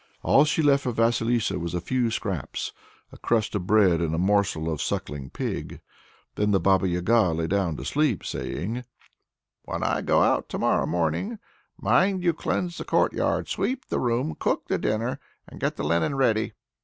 All she left for Vasilissa was a few scraps a crust of bread and a morsel of sucking pig. Then the Baba Yaga lay down to sleep, saying: "When I go out to morrow morning, mind you cleanse the courtyard, sweep the room, cook the dinner, and get the linen ready.